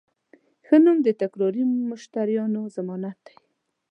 ښه نوم د تکراري مشتریانو ضمانت دی.